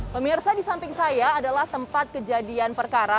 pemirsa di samping saya adalah tempat kejadian perkara